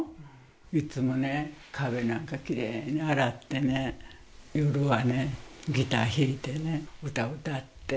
いつもね、壁なんかきれいに洗ってね、夜はね、ギター弾いてね、歌を歌って。